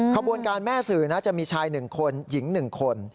ขบวนการแม่สื่อนะจะมีชาย๑คนหญิง๑คน